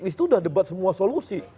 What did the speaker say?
di situ udah debat semua solusi